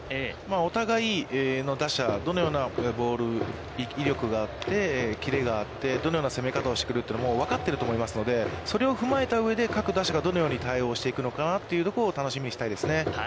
お互いの打者、どのようなボール、威力があって、キレがあって、どのような攻め方をしてくるというのは分かってると思いますので、それを踏まえた上で、各打者がどのように対応していくのかなというところを楽しみにしたいですね。